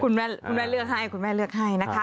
คุณแม่เลือกให้คุณแม่เลือกให้นะคะ